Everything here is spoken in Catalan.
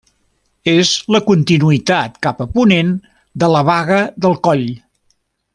És la continuïtat cap a ponent de la Baga del Coll.